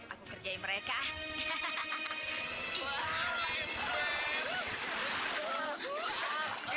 aku kerjain mereka hahaha